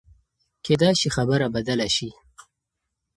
کېدای شي خبره بدله شي.